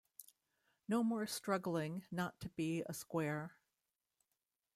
No more struggling not to be a square.